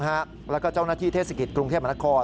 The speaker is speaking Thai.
แล้วก็เจ้าหน้าที่เทศกิจกรุงเทพมนาคม